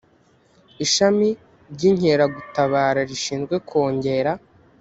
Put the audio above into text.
ishami ry inkeragutabara rishinzwe kongera